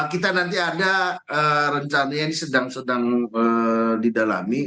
kita nanti ada rencananya sedang sedang didalami